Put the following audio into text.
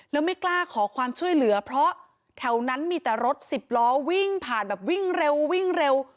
แล้วไม่กล้าขอความช่วยเหลือเพราะแถวนั้นมีแต่รถสิบล้อวิ่งผ่านแบบวิ่งเร็ววิ่งเร็ว